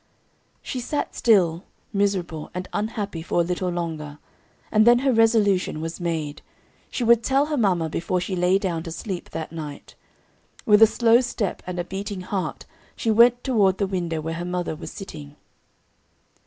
She sat still, miserable and unhappy for a little longer, and then her resolution was made she would tell her mama before she lay down to sleep that night. With a slow step and a beating heart she went toward the window where her mother was sitting.